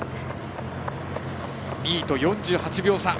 ２位と４８秒差。